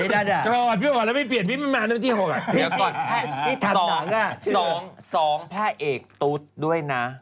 เดี๋ยวก่อนพระเอกตุ๊ดด้วยนะ